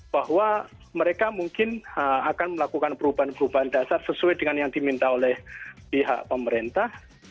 bahwa mereka mungkin akan melakukan perubahan perubahan dasar sesuai dengan yang diminta oleh pihak pemerintah